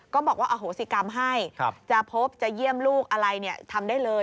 ก็บอกว่าอโหสิกรรมให้จะพบจะเยี่ยมลูกอะไรทำได้เลย